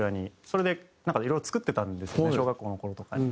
それでなんかいろいろ作ってたんですね小学校の頃とかに。